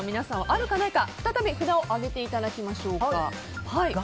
あるかないか再び札を上げていただきましょう。